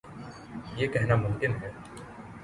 یہ کہنا ممکن ہے۔